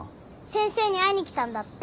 先生に会いに来たんだって。